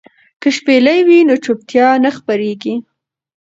که شپېلۍ وي نو چوپتیا نه خپریږي.